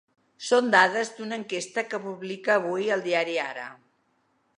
Són dades d’una enquesta que publica avui el diari Ara.